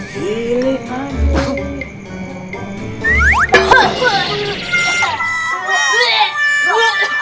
bawa telur jusuk tuh